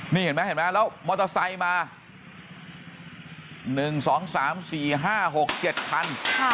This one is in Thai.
นี่เห็นไหมแล้วมอเตอร์ไซด์มาหนึ่งสองสามสี่ห้าหกเจ็ดคัน